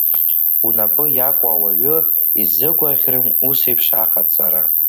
Унапы иакәу ауаҩы исзыгәаӷьрым усеиԥш аҟаҵара!